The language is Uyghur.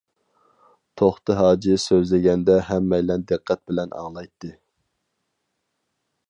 توختى ھاجى سۆزلىگەندە ھەممەيلەن دىققەت بىلەن ئاڭلايتتى.